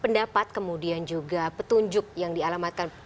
pendapat kemudian juga petunjuk yang dialamatkan